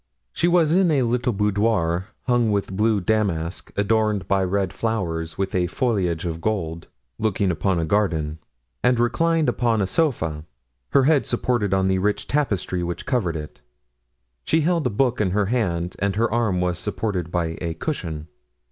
She was in a little boudoir, hung with blue damask, adorned by red flowers, with a foliage of gold, looking upon a garden; and reclined upon a sofa, her head supported on the rich tapestry which covered it. She held a book in her hand and her arm was supported by a cushion.